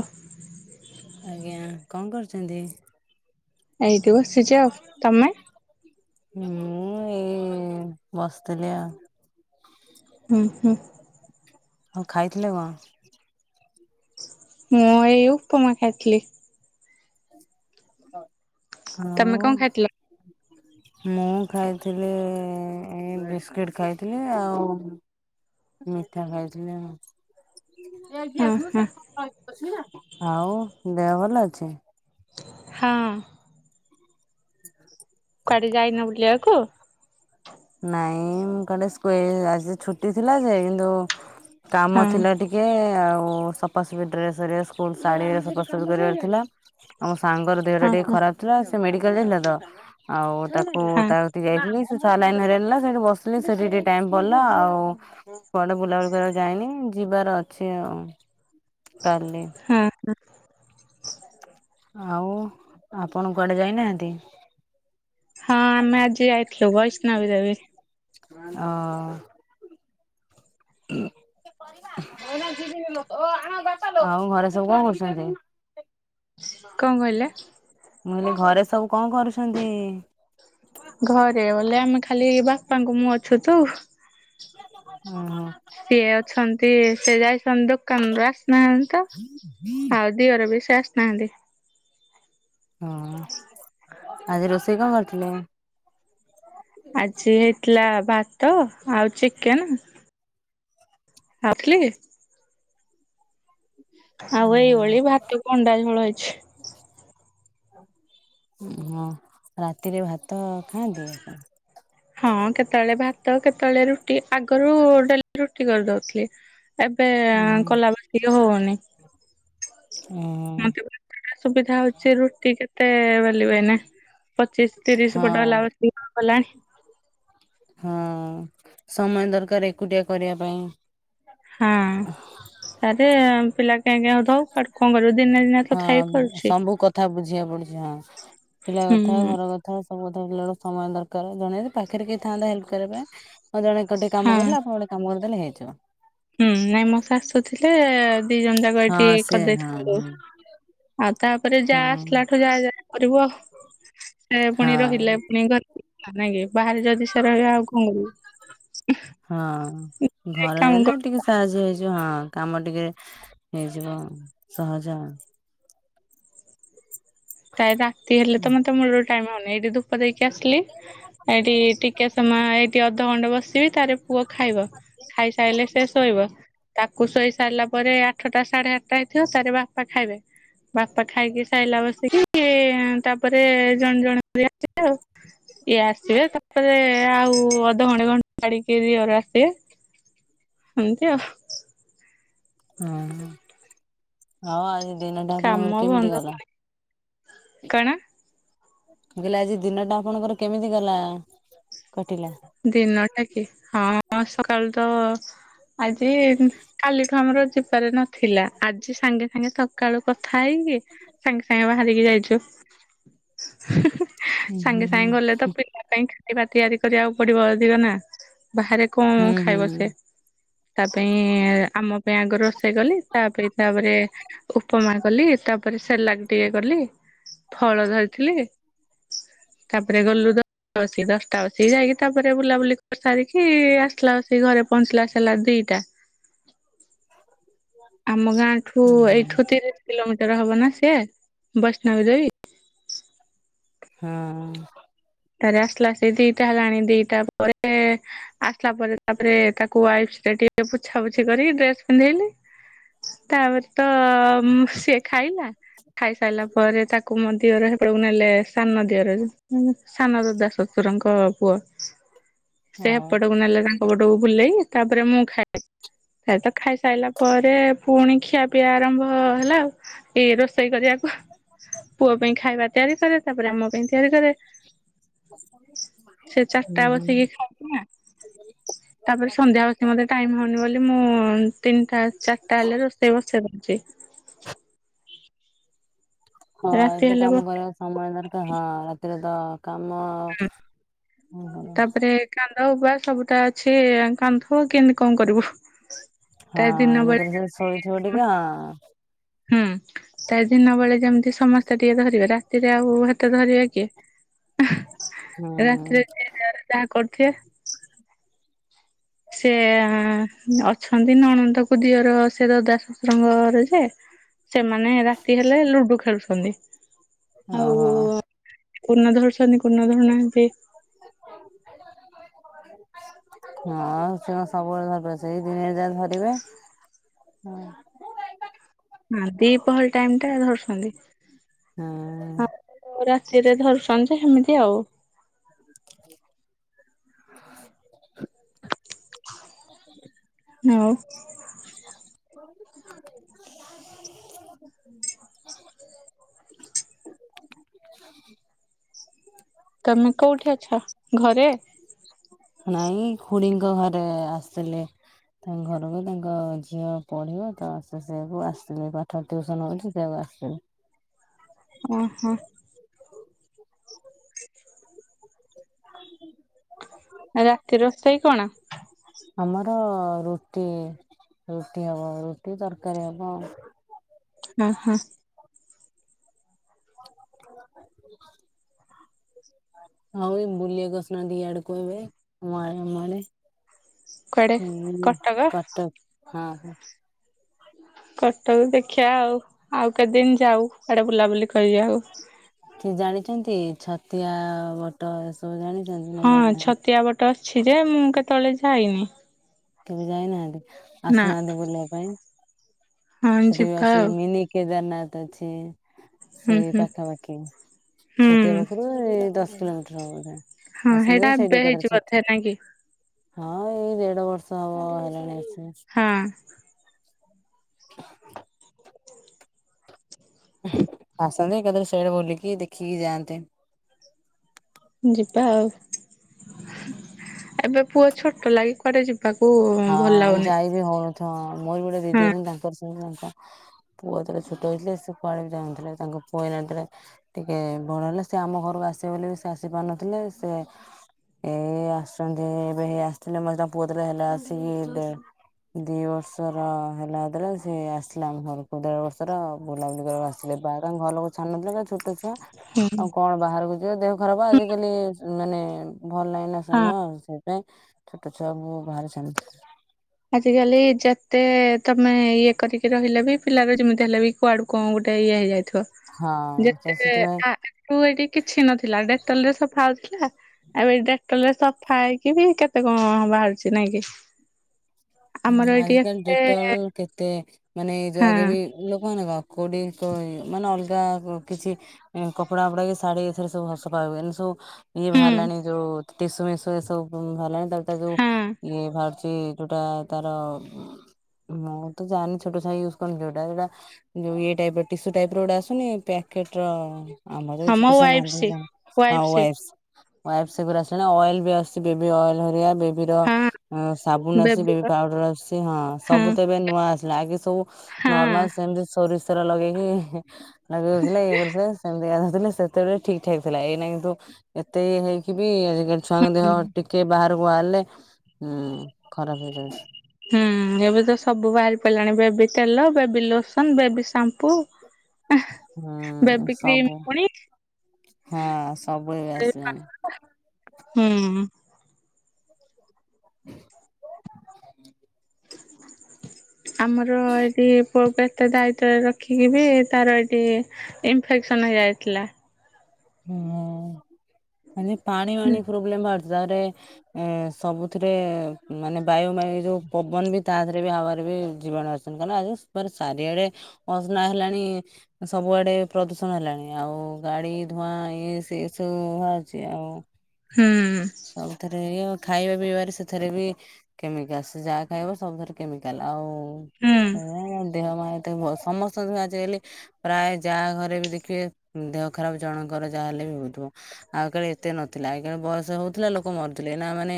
Of ଆଜ୍ଞା କଣ କରୁଛନ୍ତି? ଏଇଠି ବସିଛି ଆଉ ତମେ? ମୁଁ ଏଇ ବସିଥିଲି ଆଉ। ହୁଁ ହୁଁ। ହଉ ଖାଇଥିଲେ କଣ? ମୁଁ ଏଇ ଉପମା ଖାଇଥିଲି। ଆଉ। ତମେ କଣ ଖାଇଥିଲ? ମୁଁ ଖାଇଥିଲି ଏ ବିସ୍କୁିଟ ଖାଇଥିଲି ଆଉ ମିଠା ଖାଇଥିଲି ମୁଁ। ହଁ ହଁ ଆଉ ଦେହ ଭଲ ଅଛି? ହଁ। [inaudible] କୁଆଡ଼େ ଯାଇନ ବୁଲିବାକୁ? ନାଇଁ ମୁଁ କାେ ଆଜି ଛୁଟି ଥିଲା ଯେ କିନ୍ତୁ କାମ ହଁ ଥିଲା ଟିକେ ଆଉ ସଫାସଫି ଡ୍ରେସ ରେ ସ୍କୁଲ ଶାଢୀରେ ସଫାସଫି କରିବାର ଥିଲା ଆଉ ସାଙ୍ଗର ଦେହ ଟା ହଁ ଟିକେ ହଁ ଖରାପ ଥିଲା। ସେ ମେଡ଼ିକାଲ ଯାଇଥିଲା ତ ଆଉ ତାକୁ ହଁ ତା କତିକି ଯାଇଥିଲି ସେ [unintelligible] ସେଠି ବସିଲି ଟାଇମ ପଳେଇଲା ଆଉ କୁଆଡ଼େ ବୁଲାବୁଲି କରିବାକୁ ଯାଇନି ଯିବା କୁଆଡ଼େ ଅଛି ଆଉ। କାଲି ହଁ ହଁ। ଆଉ ଆପଣ କୁଆଡ଼େ ଯାଇନାହାନ୍ତି? ହଁ ଆମେ ଆଜି ଆଇଥିଲୁ ବୈଷନବୀ ଦେବି। ହଁ। [unintelligible] ଆଉ ଘରେ ସବୁ କଣ କରୁଛନ୍ତି? କଣ କହିଲେ? ମୁଁ ହେି ଘରେ ସବୁ କଣ କରୁଛନ୍ତି? ଘରେ ବଲେ ଆମେ ଖାଲି ହେଇିବା। ବାପାଙ୍କୁ ମୁଁ ଅଛୁ ତୁ ଓହୋ। ସିଏ ଅଛନ୍ତି। ସେ ଯାଇସନ୍ ଦୋକାନରୁ ଆସିନାହାନ୍ତି ତ ଆଉ ଦିହର ବି ଆସ ନାହାନ୍ତି ହୁଁ ଆଜି ରୋଷେଇ କଣ କରିଥିଲେ। ଆଜି ହେଇଥିଲା ଭା ତ ଆଉ ଚିକେନ୍ ଆଥିଲି। ଆଉ ଏଇଭଳି ଭାତ ଅଣ୍ଡା ଝୋଳ ହେଇଛି। ହଁ ରାତିରେ ଭାତ ଖାଆନ୍ତି ଆ ହଁ କେତେବେଳେ ଭାତ କେତେବେଳେ ରୁଟି ଆଗରୁ ଡେଲି ରୁଟି କରିଦଉଥିଲି। ଏବେ ଉଁ କଲା ବାସ ହଉନି। ଉଁ ମତେ ସୁବିଧା ହଉଛି ରୁଟି କେତେ ବେଲିବ ଏଇନ। ପଚିଶି ତିରିଶ ହଁ ପଟ ଗଲା ବ କଣ କଲାଣି। ହଁ ସମୟ ଦରକାର ଏକୁଟିଆ କରିବା ପାଇଁ। ହଁ ତାରେ ପିଲା। କହିଁକ ଦଉ କଡ କଣ କରିବୁ ଦିନେ ଦିନେ ତ ଥାଇ ହଁ କରୁଛି। ସବୁ କଥା ବୁଝିବାକୁ ପଡୁଛି ହଁ। ପିଲା ହୁଁ କଥା ଘର କଥା। ସବୁଧିଲ ବେଳେ ସମୟ ଦରକାର ଜଣ ପାଖରେ କେହି ଥାଆନ୍ତା ହେଲ୍ପ୍ କରିବା ପାଇଁ। ହଁ ଜଣେ ଟିକେ ହଁ। କାମ କରିଦେଲା ଆପଣେ ଗୋଟେ କାମ କରିଦେଲେ ହେଇଯିବ। ହୁଁ ନାଇଁ ମୋ ଶାଶୁ ଥିଲେ ଦି ଜଣ ଯାକ ଏଇଠି ହଁ ସେ ହଁ କରିଦେଇଥାନ୍ତୁ। ହଁ ଆଉ ତାପରେ ଯାହା ହଁ ଆସିଲାଠୁ ଯାହା ଯାହା କରିବୁ ଆଉ। ସେ ପୁଣି ହଁ। ରହିଲେ ପୁଣି ଘରୋ ନାଇଁ କି ବାହାରେ ଯଦି ସେ ରହିବା ଆଉ କଣ କରିବୁ। ହଁ ଘରେ କାମ ହେଲେ ଟିକେ ସାହାଯ୍ୟ ହେଇଛି। ଯ ହଁ କାମ ଟିକେ ହେଇଯିବ ସହଜ ଆ ତା ରାତି ହେଲେ ତ ମତେ ମୂଳର ଟାଇମ ହଉନି ଏଠି ଧୂପ ଦେଇକି। ଆସିଲି ଏଠି ଟିକେ ସମୟ ଏଇଠି ଅଧଘଣ୍ଟେ ବସି। ବି ତାରେ ପୁଅ ଖାଇବ ଖାଇସାରିଲେ ସେ ସୋଇବ। ତାକୁ ଶୋଇ ସାରିଲା ପରେ ଆଠଟା ସାଢ଼େ ଆଠଟା ଥିବ ତାରେ ବାପା ଖାଇବେ। ବାପା ଖାଇକି ସାଇଲା ବେ ଖ ତାପରେ ଜଣେ ଜଣେ କରି ଆସିବେ ଆଉ। ଇଏ ଆସିବେ ତାପରେ ଆଉ ଅଧଘଣ୍ଟେ ଘଣ୍ଟେ ଛାଡିକି ଦିଅର ଆସିବେ। ଏମ୍ତି ଆଉ ହୁଁ ହଉ ଆଜି ଦିନଟା ଆପଣଙ୍କର କାମ କେମିତି ବନ୍ଦ ଗଲା। କଣ? କହିଲେ ଆଜି ଦିନଟା ଆପଣଙ୍କର କେମିତି ଗଲା? କଟିଲା। ଦିନଟା କି ହଁ ସକାଳୁ ତ ଆଜି କାଲିଠୁ ଆମର ଯିବାର ନଥିଲା ଆଜି ସାଙ୍ଗେ ସାଙ୍ଗେ ସକାଳୁ କଥା ଖାଇକି ସାଙ୍ଗେ ସାଙ୍ଗେ ବାହାରିକି ଯାଇଛୁ ହୁଁ-ହୁଁ ହୁଁ ସାଙ୍ଗେ ସାଙ୍ଗେ ଗଲେ ତ ପିଲା ପାଇଁ ଖାଇବା ତିଆରି କରିବାକୁ ପଡିବ ଦିିକ ନା ବାହାରେ କଣ ଖାଇବ ସିଏ ହୁଁ। ତା ପାଇଁ ଆମ ପାଇଁ ଆଗରୁ ରୋଷେଇ କଲି ତା ପାଇଁ ତାପରେ ଉପମା କଲି ତାପରେ ସେଲା ଟିକେ କଲି ଫଳ ଧରିଥିଲି। ତାପରେ ଗଲୁ ଦଶଟା ବସ ଦଶଟା ବସିକି ଯାଇକି। ତାପରେ ବୁଲାବୁଲି କରି ସାରିକି ଆସିଲା ସେଇ ଘରେ ପହଞ୍ଚିଲା ସାରିଲା ଦିଟା ଆମ ଗାଁ ଠୁ ଏଇଠୁ ତିରିଶି କିଲୋମିଟର ହବ ନା ସିଏ। ବୈଶ୍ଣବିଦେବି ହଁ। ତାରେ ଆସିଲା ସେ ଦିଟା ହେଲାଣି ଦିଟା ପରେ ଆସିଲା ପରେ ତାପରେ ତାକୁ ୱାଇପ୍ସ ଟିକେ ପୋଛାପୁଛି କରି ଡ୍ରେସ ପିନ୍ଧେଇଲି। ତାପରେ ତ ଉମ୍ ସିଏ ଖାଇଲା। ଖାଇ ସାଇଲା ପରେ ତାକୁ ମୋ ଦିଅର ସେପଟକୁ ନେଲେ ସାନ ଦିଅର ଯୋଉ [unintelligible] ସାନ ଦାଦାଶଶୁରଙ୍କ ପୁଅ ସେ ଓହୋ। ହେପଟକୁ ନେଲେ ତା ହେପଟକୁ ବୁଲେଇ ତାପରେ ମୁଁ ଖାଏ। ସେ ତ ଖାଇସାଇଲା ପରେ ପୁଣି ଖିଆ ପିଆ ଆରମ୍ଭ ହେଲା ଆଉ। ଏଇ ରୋଷେଇ କରିବା ପୁହଃ ପୁଅ ପାଇଁ ଖାଇବା ତିଆରି କରେ। ତାପରେ ଆମ ପାଇଁ ତିଆରି କରେ। ସେ ଚାରିଟା ହୁଁ, ବସିକି ଖାଉଛି ନା ହୁଁ,। ତାପରେ ସନ୍ଧ୍ୟା ବତୀ ମୋତେ ଟାଇମ୍ ହଉନି ବୋଲି ମୁଁ ତିନିଟା ଚାରଟା ହେଲେ ରୋଷେଇ ବସେଇ ଦଉଛି। ହଁ ରାତି ଏତେ ହେଲେ ବ କାମ କରିବାକୁ ସମୟ ଦରକାର। ହଁ ରାତିରେ ତ କାମ ତାପରେ [unintelligible] କାନ୍ଦ ଉବା ସବୁଟା ଅଛି ଇଏ ଆନ୍ କାନ୍ ଥୁବ କେମିତି କଣ କରିବୁ। ହଁ ତା ଦିନ ବେଳେ ନିଦରେ ସିଏ [unintelligible] ଶୋଇଥିବ ଟିକେ ଆଁ, ହୁଁ ତ ଦିନ ବେଳେ ଯେମିତି ସମସ୍ତେ ଟିକେ ଧରିବେ ରାତିରେ ଆଉ ହେତେ ଧରିବେ କି। ହ ରାତିରେ ଯିଏ ଯାହାର ଯାହା କରୁଥିବେ। ସେ ଅଛନ୍ତି ନଣନ୍ଦ କୁ ଦିଅର ସେ ଦଦା ଶଶୁରଙ୍କର ଯେ ସେମାନେ ରାତି ହେଲେ ଲୁଡୁ ଖେଳୁଛନ୍ତି। ଆଉ ଓହୋ। କୋଉନ ଧରୁଛନ୍ତି, କୋଉନ ଧରୁନାହାନ୍ତି। [unintelligible] ହଁ ସେ କଣ ସବୁବେଳେ ଧରିବ ସେଇ ଦିନେ ଯା ଧରିବେ। ହଁ। ହୁଁ ଦିପହର ଟାଇମ୍ ଟା ଧରୁଛନ୍ତି। ହଁ। ସିଏ ଯେ ଧରୁଛନ୍ତି ଯେ ସେମିତି ଆଉ। [unintelligible] ଆଉ [unintelligible] [unintelligible] [unintelligible] ତୋମେ କୋଉଠି ଅଛ? ଘରେ? ନାଇଁ ଖୁଡିଙ୍କ ଘରେ ଆସିଥିଲେ ତାଙ୍କ ଘରକୁ। ତାଙ୍କ କ ଝିଅ ପଢିବ ତ ସେ ସେୟାକୁ ଆସିଥିଲି ପାଠ ଟିଉସନ ହଉଛି ତ ସେୟାକୁ ଆସିଥିଲି। ଓ ହଁ। [unintelligible] ରାତି ରୋଷେଇ କଣ? ଆମର ରୁଟି, ରୁଟି ହବ। ରୁଟି ତରକାରୀ ହବ। ହଁ ହଁ [unintelligible] ଆଉ ଏ ବୁଲିବାକୁ ଆସୁନାନ୍ତିି ଇଆଡକୁ ଏବେ ମୋ ଆ ଆମ ଆଡେ। କୁଆଡେ ଏଇନେ କଟକ କଟକ ହଁ ହଁ। କଟକ ଦେଖିବା ଆଉ, ଆଉ କେତେ ଦିନ ଯାଉ ଆଡେ ବୁଲାବୁଲି। କରିବା ଆଉ। ଚନ୍ତି ଛତିଆ ବଟ ଏସବୁ ଜାଣିଚନ୍ତି ନା ଜାଣିନାହାନ୍ତି? ଛି ଯେ ମୁଁ କେତଳେ ଯାଇନି। କେବେ ଯାଇନାହାନ୍ତି। ନା ଆସୁନାହାନ୍ତି ବୁଲିବା ପାଇଁ। ହଁ ସେଠି ବି ଯିବା ଅସି ଆଉ ମିନି କେଦାରନାଥ ଅଛି। ହୁଁ ସେଇ ହୁଁ ପାଖାପାଖି ହୁଁ ଛତିଆ ପାଖରୁ ଏ ଦଶ କିଲୋମିଟର ହବ ଗାଁ। ହଁ ଆସନ୍ତୁ ସେଇଟା ଭରି ସେଇଟି ଏବେ ଏକା। ହେଇଛି [unintelligible] ବୋଧେ ନାଇଁ କି ହଁ ଏଇ ଦେଢ ବର୍ଷ ହବ ହେଲାଣି। ହଁ। ଆସନ୍ତି କେତେବେଳେ ସେଇଡା ବୁଲିକି ଦେଖିକି ଯାଆନ୍ତେ। ଯିବା ଆଉ ଏବେ ପୁଅ ଛୋଟ ଲାଗି କୁଆଡେ ଯିବା। ହଁ ଯାଇ ବିି ହଉନଥିବ ମୋର ବି ଗୋଟେ ଦିଦି ହଁ ଅଛନ୍ତି ତାଙ୍କର ତାଙ୍କ ପୁଅ ଯେତେବେଳେ ଛୋଟ ହେଇଥିଲେ ସେ କୁଆଡେ ବି ଯାଉନଥିଲେ ତାଙ୍କ ପୁଅ ହେଲାଯେତେ ବେଳେ ଟିକେ ବଡ ହେଲେ ସେ ଆମ ଘରକୁ ଆସିବେ ବୋଲି ବି ସେ ଆସି ପାରୁନଥିଲେ ସେ ଏଇ ଆସୁଛନ୍ତି ଏବେ ଆସିଥିଲେ ମେ ତାଙ୍କ ପୁଅ ଯେତର ହେଲା ଆସିକି ଦି ବର୍ଷର ହେଲା ଯେତେଳେ ସେ ଆସିଲାମ ଘରକୁ ଦେଢ ବର୍ଷର ବୁଲାବୁଲି କରିବାକୁ ଆସିଲେ କ ଘର ଲୋକ ଛାଡୁନଥିଲେ ଛୋଟ ଛୁଆ ଆଉ କଣ ବାହାରକୁ ଯ ଦେହ ଖରାପ ଆଜିକାଲି ମାନେ ଭଲ ଲାଗିନା ହଁ। ସମୟ ସେଇପାଇଁ ଛୋଟ ଛୁଆକୁ [unintelligible] ଆଜିକାଲି ଯେତେ ତମେ ଇଏ କରିକି ରହିଲେ ବି ପିଲାର ଯେମିତି ହେଲେ ବି କୁଆଡୁ କଣ ଗୋଟେ ଇଏ ହେଇଯାଇ ହଁ ତ ଯେତେ ସେଥିପାଇଁ ଆ ଏଠିକ କିଛି ନଥିଲା ଡେଟଲରେ ସଫା ହଉଥିଲା ଆଉ ଏ ଡେଟଲ ରେ ସଫା ହେଇକି ବି କେତେ କଣ ହବ ବାହାରିଛି ନାଇଁ କି। ଆମର ହୁଁ ଏଇଠି ଆଜିକାଲି ଏତେ ଡେଟଲ କେତେ ମାନେ ଏ ଯ ହଁ ଆଗେ ବି ଲୋକମାନେ କଣ କୋଡିିଏ [unintelligible] ମାନେ କିଛି ଉଁ କପଡା ଫପଡା କି ଶାଢୀ ଏଥର ସବୁ ସଫା ହୁଏ ଏନତି ସବୁ ଇଏ ହୁଁ ବାହାରିଲାଣି ଯୋଉ ଟିସୁ ମିସୁ ଏ ସବୁ ଭହାରିଲାଣି। ଟା ଯୋଉ ହଁ ଇଏ ବାହାରୁଛି ଯୋଉଟା ତାର ମୁଁ ତ ଜାଣିନି ଛୋଟ ଛୁଆ ୟୁଜ କରନି ଯୋଉଟା ଯଉ ଇଏ ଟାଇପର ଟିସୁ ଟାଇପର ଗୋଟା ଆସୁନି [unintelligible] କୀଟର ଆମର ବି ହଁ ମୋ ଛୋଟଛୁଆ ୱାଇଫ ନାହାନ୍ତି ସେ ୱାଇଫ ହଁ ସେ ୱାଇପ୍ସ। ୱାଇପ୍ସ ସେଗୁରା ଆସିଲଣି ଅଏଲ ବି ଆସିଛି ବେବି ଅଏଲ ଉଁ ବେବିର ହଁ ସାବୁନ ବେବି ଆସବେ। ର ଆସଛି ହଁ ସବୁ ତ ଏବେ ନୂଆ ଆସିଲା ଆଗ ସବୁ ନର୍ମାଲ ସେମତି ସୋରି ଲଗେଇକି ଲଗେଇଉଥିଲେ ଇଏ କରଥିଲେ ସେମତି ସେତେବେଳେ ଠିକ ଠାକ୍ ଥିଲା ଏଇ କିନ୍ତୁ ଏତେ ହେଇକି ବି ଆଜିକାଲି ଛୁଆଙ୍କ ଦେହ ହଁ। ଟିକେ ବା କୁହାଣିଲେ ହୁଁ ଖରାପ ହେଇଯାଉଛି। ହୁଁ ଏବେ ତ ସବୁ ବାହାରି ପାରିଲାଣି ବେବି ତେଲ ବେବି ଲୋସନ ବେବି ସାମ୍ପୁ। ହୁଁ ବେବି କ୍ରିମ ସବୁ। ପୁଣି ହଁ ସବ ହେଇ ଆସିଲାଣି। ହୁଁ ଆମର ଏଠି ମତେ ଦାୟିତ୍ବରେ ରଖିକି ବି ତାର ଏଇଠି ଇନଫେକ୍ସନ ହେଇଯାଇଥିଲା। ହଁ ମାନେ ପାଣି ବାଣି ପ୍ରୋବ୍ଲେମ୍ ଆ ତାପରେ ସବୁଥିରେ ମାନେ ବାୟୁ ମାୟୁ ଯୋଉ ପବନ ବି ତା ଦେହରେ ବି ହବାର ଜୀବାଣୁ ଆସଛନ୍ତି କ ଆ ସାରିଆଡେ ଅସନା ହେଲାଣି ସବୁଆଡେ ପ୍ରଦୂଷଣ କଣ ହେଲାଣି ଆଉ ଗାଡି ଧୂଆଁ ଇଏ ସେ ସବୁଛି ଆଉ ହୁଁ ସବୁଥିରେ ଇଏ ଖାଇବା ପିଇବାରେ ସେଥିରେ ବି କେମିକାଲ ଯାହା ଖାଇବ ସବୁଥିରେ କେମିକାଲ ଆଉ ହୁଁ [unintelligible] ଦେହ ମା ସମସ୍ତ ଆଜି କାଲି ପ୍ରାୟ ଯାହା ଘରେ ବି ଦେଖିବେ ଦେହ ଖରାପ ଜଣଙ୍କର ଯାହା ହେଲେ ବି ହଉଥିବ ଆଉ ଆଗକାଳେ ଏତେ ନଥିଲା ଆଗକାଳେ ବୟସ ହଉଥିଲା ଲୋକ ମରୁଥିଲେ ନା ମାନେ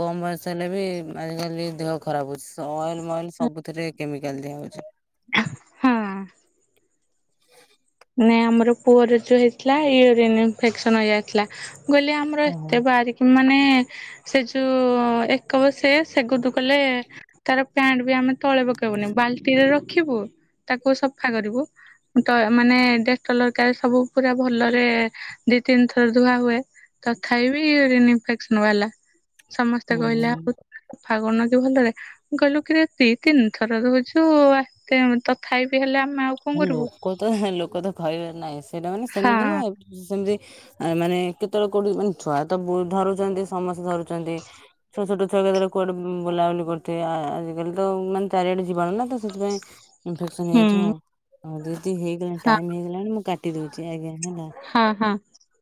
କମ ବୟସ ହେଲେ ବି ଆଜିକାଲି ଦେହ ଖରାପ ହଉଛି ସଏଲ ମଏଲ ସବୁଥିରେ କେମିକାଲ ଦିଆ ହଉଛି। ହଁ। ନାଇ ଆମର ପୁଅର ଯୋଉ ହେଇଥିଲା ୟୁରିନ ଇନଫେକ୍ସନ ହେଇଯାଇଥିଲା। କହିଲ ଆମର ଓହୋ ଏତେ ବାରିକି ମାନେ ସେ ଯୋଉ ଏକ ବସେଇବା ସେଗୁ କଲେ ଏ ତାର ପ୍ୟାଣ୍ଟ ବି ଆମେ ତଳେ ପକେଇବୁନି। ବାଲ୍ଟିରେ ରଖିବୁ, ତାକୁ ସଫା କରିବୁ। ତ ମାନେ ଡେଟଲ ହେକାରେ ସବୁ ପୁରା ଭଲରେ, ଦି ତିନି ଥର ଧୁଆ ହୁଏ। ତଥାପି ବି ଇନିଫେକ୍ସନ ବାଲା। ସମସ୍ତେ ହୁଁ କହିଲେ ହୁଁ। ଆଉ ଫାଗ ନଦୁ ଭଲରେ, ଗଲୁ କିରେ ତିତ୍ ତିନି ଥର ଧୋଉଛୁ! ଆ ତେମ୍ ତଥାପି ବିି ହେଲେ ଆମ ଲୋକ ତ ହେଁ ଲୋକ ତ ଖହିବାର ନାହିଁ, ସେଇଟା ମାନେ ହଁ ସେମିତି ନୁହେଁ, ସେମିତି। ଆ ମାନେ କେତେବେଳେ କୋଉଠି, ମାନେ ଛୁଆ ତ ଧରୁଛନ୍ତି। ସମସ୍ତେ ଧରୁଛନ୍ତି, ଛୁଆ ଛୋଟ ଛୁଆ [unintelligible] କୁଆଡେ ବୁଲାବୁଲି କରୁଥିବେ, ଆଜିକାଲି ତ ମାନେ ଚାରିଆଡେ ଜିବାଣୁ ନା ତ ସେଥିପାଇଁ ଇନ୍ଫେକସନ ହୁଁ। ହେଇଯାଇଥିବ ଆଉ। ଦିଦି ହେଇଗଲାଣି ଟାଇମ୍ ହେଇଗଲାଣି ମୁଁ କାଟ୍ କୁଟି ଦଉଛି ଆଜ୍ଞା, ହେଲା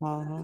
ହଁ ହୋ